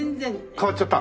変わっちゃった？